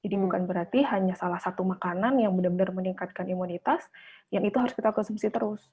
jadi bukan berarti hanya salah satu makanan yang benar benar meningkatkan imunitas yang itu harus kita konsumsi terus